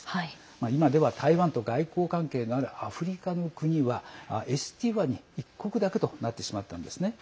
今では台湾と外交関係のあるアフリカの国はエスワティニ１国だけとなってしまったんですね。